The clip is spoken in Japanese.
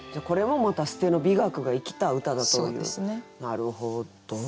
なるほど。